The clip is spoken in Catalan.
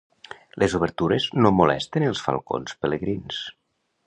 Les obertures no molesten els falcons pelegrins.